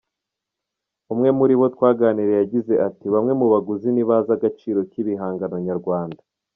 Umwe muri bo twaganiriye yagize ati “Bamwe mu baguzi ntibazi agaciro k’ibihangano nyarwanda.